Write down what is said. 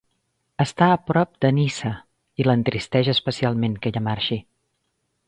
Està a prop de Nyssa i l'entristeix especialment que ella marxi.